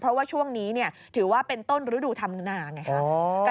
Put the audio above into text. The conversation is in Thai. เพราะว่าช่วงนี้ถือว่าเป็นต้นฤดูธรรมนาไงคะ